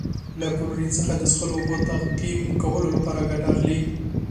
له کلورین څخه د څښلو اوبو تعقیم کولو لپاره ګټه اخلي.